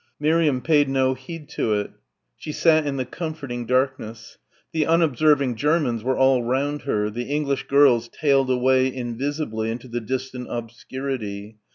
Miriam paid no heed to it. She sat in the comforting darkness. The unobserving Germans were all round her, the English girls tailed away invisibly into the distant obscurity.